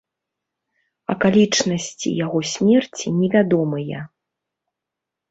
Акалічнасці яго смерці невядомыя.